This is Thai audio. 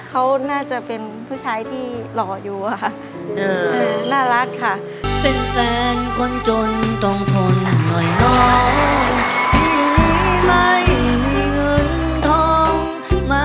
เขาน่าจะเป็นผู้ชายที่หล่ออยู่ค่ะเออน่ารักค่ะ